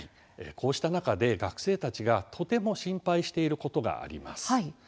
こうした中で学生たちがとても心配していることがあります。